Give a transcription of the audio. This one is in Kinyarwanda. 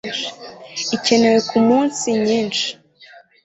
ikenewe ku munsi nyinshi